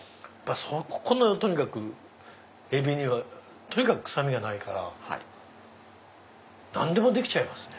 ここのエビにはとにかく臭みがないから何でもできちゃいますね。